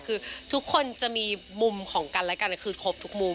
คือทุกคนจะมีมุมของกันและกันคือครบทุกมุม